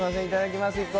いただきます。